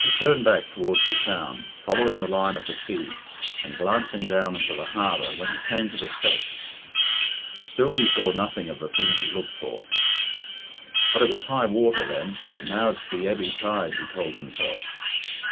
He turned back towards the town, following the line of the quay, and glancing down into the harbour when he came to the steps. Still he saw nothing of the thing he looked for. "But it was high water then, and now it's the ebby tide," he told himself.